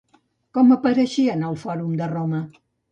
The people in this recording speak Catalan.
Com apareixien al Fòrum de Roma?